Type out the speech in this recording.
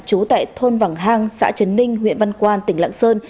trú tại thôn vẳng hàng xã trấn ninh huyện văn quan tỉnh lạng sơn